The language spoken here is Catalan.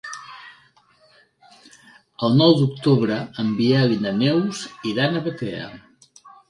El nou d'octubre en Biel i na Neus iran a Batea.